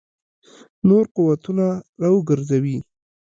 نور قوتونه را وګرځوي.